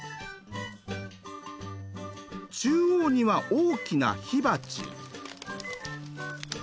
中央には大きな火鉢。